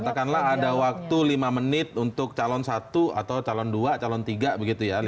katakanlah ada waktu lima menit untuk calon satu atau calon dua calon tiga begitu ya